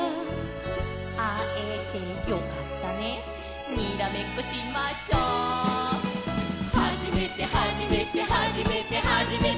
「あえてよかったねにらめっこしましょ」「はじめてはじめてはじめてはじめて」